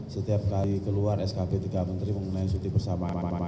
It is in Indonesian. setiap kali keluar skp tiga menteri mengenai cuti bersama